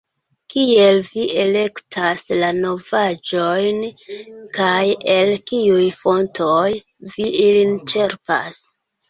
Kiel vi elektas la novaĵojn, kaj el kiuj fontoj vi ilin ĉerpas?